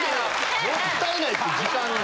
もったいないって時間が。